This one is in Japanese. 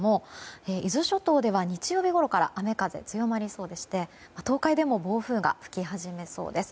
伊豆諸島では日曜日ごろから雨風が強まりそうでして東海でも暴風が吹き始めそうです。